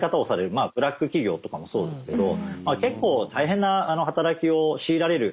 まあブラック企業とかもそうですけど結構大変な働きを強いられる立場。